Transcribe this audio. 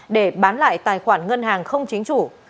để bán lại tài khoản ngân hàng không chính chủ